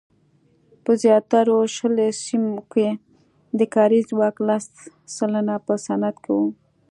په زیاترو شلي سیمو کې د کاري ځواک لس سلنه په صنعت کې وو.